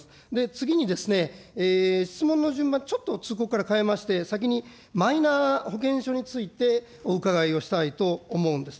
次にですね、質問の順番、ちょっと、都合から変えまして、先にマイナ保険証についてお伺いをしたいと思うんです。